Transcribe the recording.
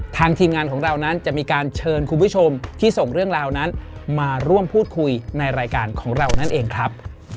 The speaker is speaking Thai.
ทีมงานของเรานั้นจะมีการเชิญคุณผู้ชมที่ส่งเรื่องราวนั้นมาร่วมพูดคุยในรายการของเรานั่นเองครับ